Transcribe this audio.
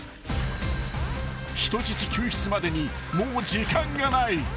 ［人質救出までにもう時間がない］